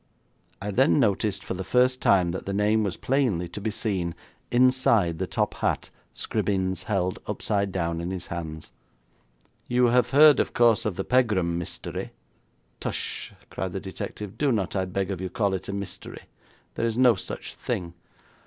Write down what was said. I then noticed for the first time that the name was plainly to be seen inside the top hat Scribbings held upside down in his hands. 'You have heard, of course, of the Pegram mystery ' 'Tush,' cried the detective; 'do not, I beg of you, call it a mystery. There is no such thing.